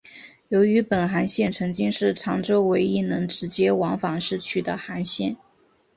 由于本航线曾经是长洲唯一能直接往返市区的航线。